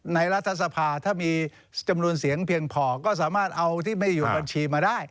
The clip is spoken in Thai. รัฐสภาถ้ามีจำนวนเสียงเพียงพอก็สามารถเอาที่ไม่ได้อยู่บัญชีมาได้